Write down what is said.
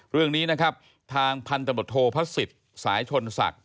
เรื่องนี้นะครับทางพันธมตโทพระศิษย์สายชนศักดิ